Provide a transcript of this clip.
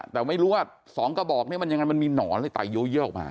แต่ไม่รู้ว่าสองกระบอกเนี่ยมันยังไงมันมีหนอนเลยตายเยอะออกมา